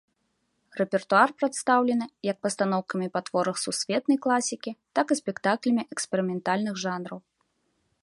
Рэпертуар прадстаўлены як пастаноўкамі па творах сусветнай класікі, так і спектаклямі эксперыментальных жанраў.